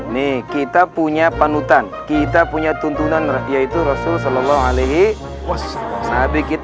nih kita punya panutan kita punya tuntunan yaitu rasul sallallahu alaihi wasallam